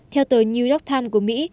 theo tờ new york times của mỹ